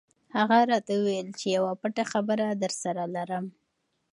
هغه راته وویل چې یوه پټه خبره درسره لرم.